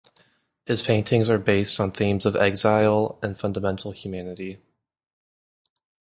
His paintings are based on themes of exile and fundamental humanity.